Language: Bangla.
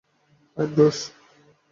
High, Bruce.